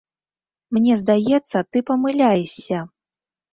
Мне здаецца, ты памыляешся.